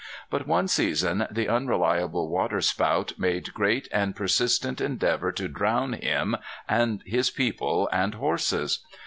But one season the unreliable waterspout made great and persistent endeavor to drown him and his people and horses.